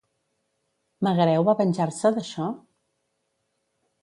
Megareu va venjar-se d'això?